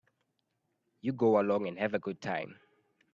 You go along and have a good time.